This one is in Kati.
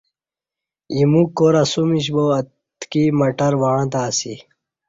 ایمو کور اسومیش با اتکی مٹر وعں تہ اسی